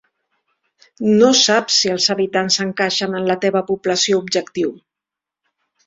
No saps si els habitants encaixen en la teva població objectiu.